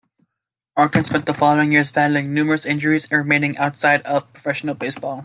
Elarton spent the following years battling numerous injuries and remaining outside of professional baseball.